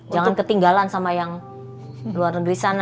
jangan ketinggalan sama yang luar negeri sana